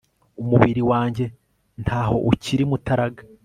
umubiri wanjye nta ho ukiri mutaraga